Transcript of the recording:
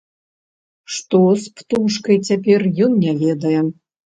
Што з птушкай цяпер, ён не ведае.